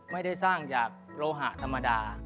ไม่ได้สร้างจากโลหะธรรมดา